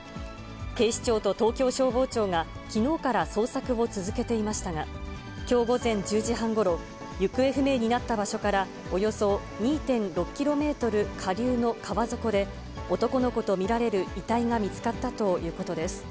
警視庁と東京消防庁が、きのうから捜索を続けていましたが、きょう午前１０時半ごろ、行方不明になった場所からおよそ２．６キロメートル下流の川底で、男の子と見られる遺体が見つかったということです。